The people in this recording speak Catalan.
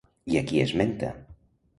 I a qui esmenta?